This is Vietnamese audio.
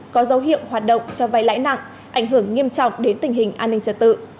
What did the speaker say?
có dấu hiệu hoạt động cho vay lãi nặng ảnh hưởng nghiêm trọng đến tình hình an ninh trật tự